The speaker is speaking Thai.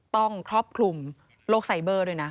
ต้องครอบคลุมโลกไซเบอร์ด้วยนะ